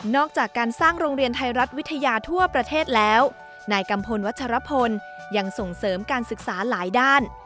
อกจากการสร้างโรงเรียนไทยรัฐวิทยาทั่วประเทศแล้วนายกัมพลวัชรพลยังส่งเสริมการศึกษาหลายด้าน